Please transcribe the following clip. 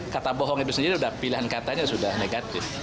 kata bohong itu sendiri sudah pilihan katanya sudah negatif